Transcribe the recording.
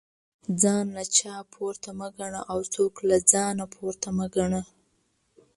ځان له چانه پورته مه ګنه او څوک له ځانه پورته مه ګنه